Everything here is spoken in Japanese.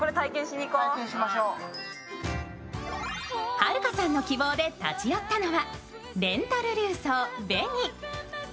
はるかさんの希望で立ち寄ったのは、レンタル琉装ｖｅｎｉ。